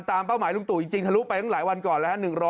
เป้าหมายลุงตู่จริงทะลุไปตั้งหลายวันก่อนแล้ว